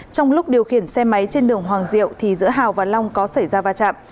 trong lúc điều khiển xe máy trên đường hoàng diệu thì giữa hào và long có xảy ra va chạm